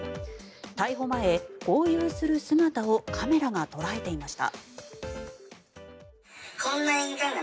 逮捕前、豪遊する姿をカメラが捉えていました。